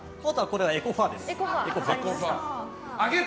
エコファーです。